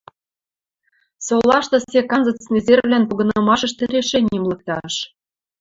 «Солашты сек анзыц незервлӓн погынымашышты решеним лыкташ